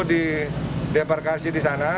di deparkasi di sana